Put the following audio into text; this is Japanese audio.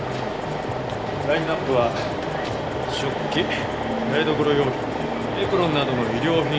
ラインアップは食器台所用品エプロンなどの衣料品。